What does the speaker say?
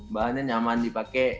bahannya nyaman dipakai